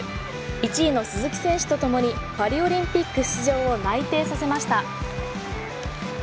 １位の鈴木選手とともにパリオリンピック出場を内定させました。